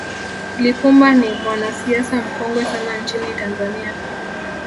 lipumba ni mwanasiasa mkongwe sana nchini tanzania